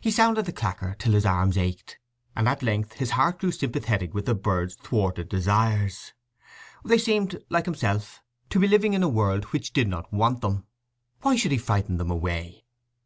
He sounded the clacker till his arm ached, and at length his heart grew sympathetic with the birds' thwarted desires. They seemed, like himself, to be living in a world which did not want them. Why should he frighten them away?